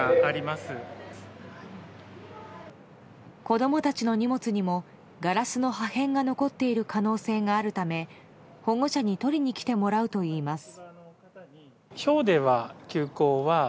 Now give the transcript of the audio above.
子供たちの荷物にもガラスの破片が残っている可能性があるため、保護者に取りに来てもらうといいます。